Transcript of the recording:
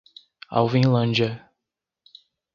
Alvinlândia